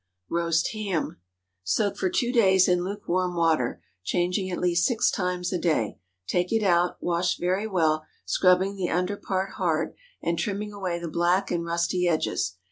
ROAST HAM. Soak for two days in lukewarm water, changing at least six times a day. Take it out, wash very well, scrubbing the under part hard, and trimming away the black and rusty edges.